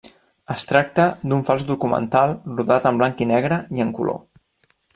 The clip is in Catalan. Es tracta d'un fals documental, rodat en blanc i negre i en color.